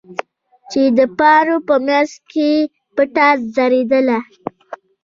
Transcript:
چې د پاڼو په منځ کې پټه ځړېدله.